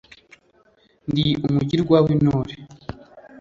Ndi umugirwa w’ intore